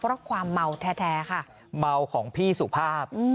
เพราะความเมาแท้ค่ะเมาของพี่สุภาพ